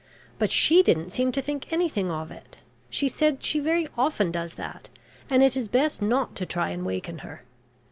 But she didn't seem to think anything of it. She said she very often does that, and it is best not to try and waken her.